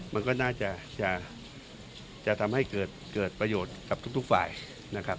มันก็น่าจะทำให้เกิดประโยชน์กับทุกฝ่ายนะครับ